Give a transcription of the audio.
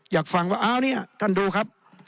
อยากฟังว่าอ้าวเนี่ยท่านดูครับ